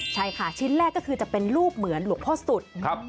ใช่ค่ะชิ้นแรกก็คือจะเป็นรูปเหมือนหลวงพ่อสุด